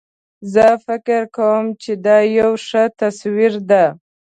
زه فکر کوم چې دا یو ښه تصویر ده